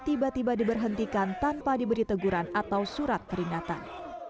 tiba tiba diberhentikan tanpa diberi teguran atau surat peringatan